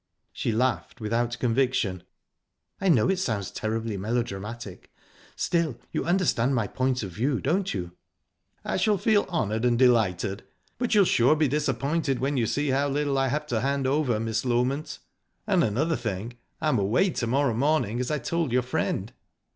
She laughed, without conviction. "I know it sounds terribly melodramatic, still you understand my point of view, don't you?" "I shall feel honoured and delighted. But you'll sure be disappointed when you see how little I have to hand over, Miss Loment ...and another thing I'm away to morrow morning, as I told your friend."